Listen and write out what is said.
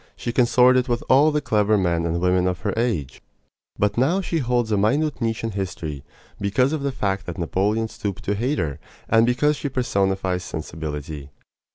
She consorted with all the clever men and women of her age. But now she holds a minute niche in history because of the fact that Napoleon stooped to hate her, and because she personifies sensibility.